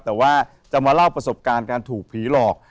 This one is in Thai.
แต่ว่าจะมาเล่าประสบการณ์การถูกผีหลอก